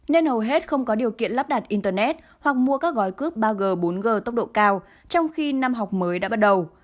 nên hầu hết không có điều kiện lắp đặt internet hoặc mua các gói cước ba g bốn g tốc độ cao trong khi năm học mới đã bắt đầu